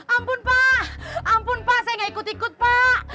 ampun pak ampun pak saya gak ikut ikut pak